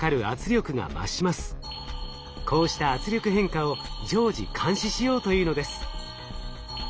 こうした圧力変化を常時監視しようというのです。